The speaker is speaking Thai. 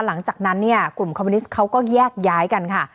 หลังจากนั้นเนี่ยกลุ่มคอมมิวนิสต์เขาก็แยกย้ายกันค่ะ